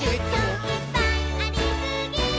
「いっぱいありすぎー！！」